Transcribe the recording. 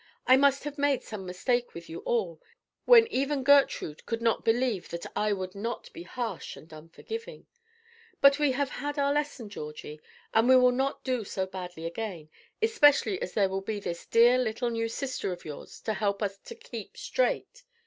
I must have made some mistake with you all, when even Gertrude could not believe that I would not be harsh and unforgiving. But we have had our lesson, Georgie, and we will not do so badly again, especially as there will be this dear little new sister of yours to help us to keep straight.